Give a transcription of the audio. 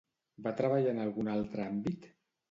Va treballar en algun altre àmbit?